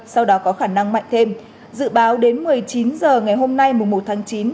sau đó có khả năng mạnh thêm dự báo đến một mươi chín h ngày hôm nay mùa một tháng chín